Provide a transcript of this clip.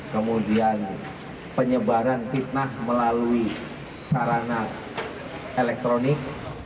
kemudian penyebaran fitnah melalui sarana elektronik